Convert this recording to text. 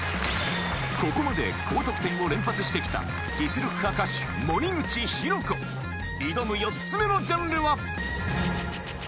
ここまで高得点を連発してきた実力派歌手森口博子挑む４つ目のジャンルは？